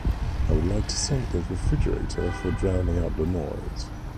I would like to thank the refrigerator for drowning out the noise.